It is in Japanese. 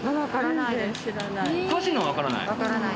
詳しいのはわからない？